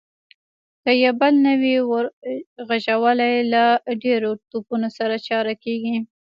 که يې بل نه وي ور خېژولی، له درېيو توپونو سره چاره کېږي.